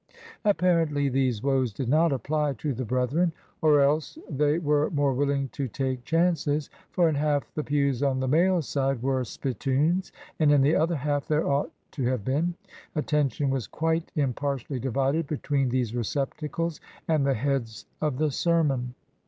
Apparently these woes did not apply to the brethren, or else they were more willing to take chances, for in half the pews on the male side were spittoons, and in the other half there ought to have been. Attention was quite im partially divided between these receptacles and the heads of the sermon.